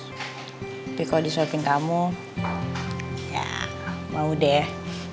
tapi kalau di shopping kamu ya mau deh